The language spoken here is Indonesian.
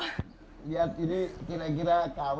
lihat ini kira kira kw atau asli